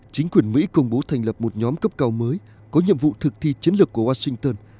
chính quyền mỹ công bố thành lập một nhóm cấp cao mới có nhiệm vụ thực thi chiến lược của washington